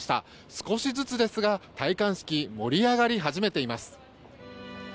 少しずつですが戴冠式盛り上がり始めています。